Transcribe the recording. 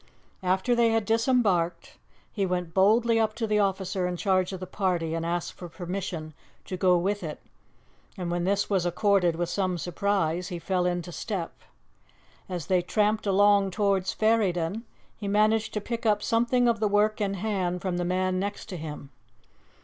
After they had disembarked, he went boldly up to the officer in charge of the party and asked for permission to go with it, and when this was accorded with some surprise, he fell into step. As they tramped along towards Ferryden, he managed to pick up something of the work in hand from the man next to him.